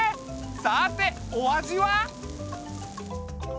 さてお味は？